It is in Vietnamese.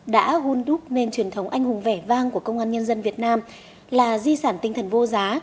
đã hôn đúc nên truyền thống anh hùng vẻ vang của công an nhân dân việt nam là di sản tinh thần vô giá